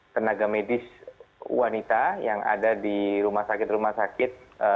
tenaga medis wanita yang ada di rumah sakit rumah sakit